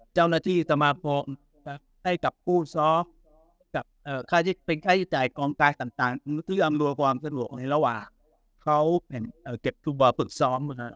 เจ้านักธิสมัครโครมให้กับผู้ซอสกับค่าที่เป็นค่าที่จ่ายกรรมการต่างที่อำนวยความสะดวกในระหว่างเขาเก็บถูกบอบปรึกซ้อม